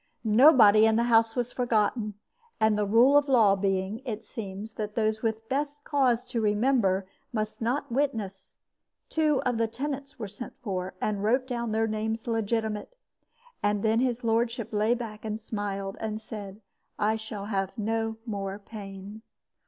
Nobody in the house was forgotten; and the rule of law being, it seems, that those with best cause to remember must not witness, two of the tenants were sent for, and wrote down their names legitimate. And then his lordship lay back and smiled, and said, 'I shall have no more pain.'